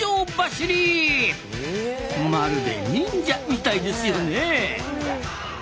まるで忍者みたいですよね！